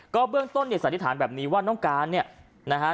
เบื้องต้นเนี่ยสันนิษฐานแบบนี้ว่าน้องการเนี่ยนะฮะ